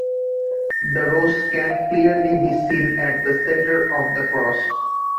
The rose can clearly be seen at the center of the cross.